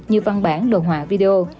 như văn bản đồ họa video